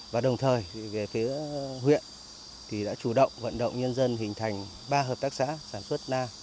và đồng thời phía huyện đã chủ động vận động nhân dân hình thành ba hợp tác xã sản xuất